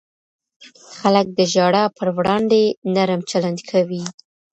خلک د ژړا پر وړاندې نرم چلند کوي.